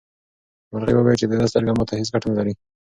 مرغۍ وویل چې د ده سترګه ماته هیڅ ګټه نه لري.